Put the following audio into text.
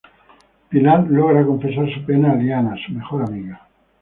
Pilar logra confesar su pena a Liana, su mejor amiga.